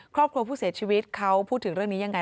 ครอบครัวผู้เสียชีวิตเขาพูดถึงเรื่องนี้ยังไง